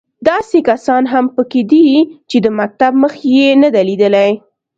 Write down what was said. داسې کسان هم په کې دي چې د مکتب مخ یې نه دی لیدلی.